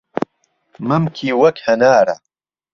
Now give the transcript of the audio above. مهمکی وهک ههناره